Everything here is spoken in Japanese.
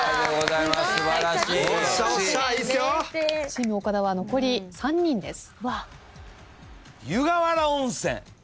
チーム岡田は残り３人です。